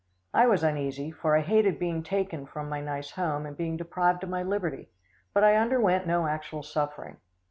I was uneasy, for I hated being taken from my nice home and being deprived of my liberty, but I underwent no actual suffering.